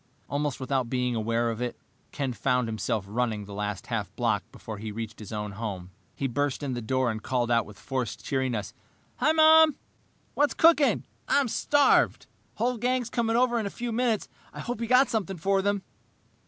Almost without being aware of it, Ken found himself running the last half block before he reached his own home. He burst in the door and called out with forced cheeriness, "Hi, Mom, what's cooking? I'm starved. The whole gang's coming over in a few minutes. I hope you've got something for them."